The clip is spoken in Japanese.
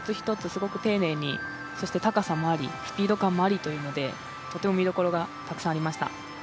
すごく丁寧に、そして高さもありスピード感もありでとても見どころがたくさんありました。